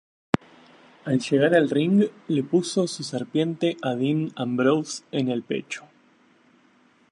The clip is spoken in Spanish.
Al llegar al ring, le puso su serpiente a Dean Ambrose en el pecho.